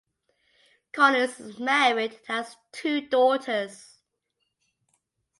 Collins is married and has two daughters.